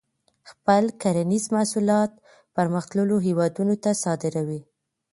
خپل کرنیز محصولات پرمختللو هیوادونو ته صادروي.